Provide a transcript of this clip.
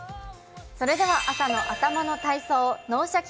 それでは朝の頭の体操「脳シャキ！